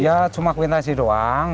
ya cuma kuitansi doang